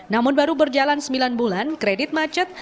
namun baru berjalan sembilan bulan kredit macet